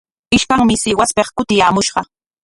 Ishkanmi Sihuaspik kutiyaamushqa.